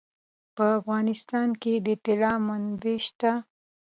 په افغانستان کې د طلا منابع شته.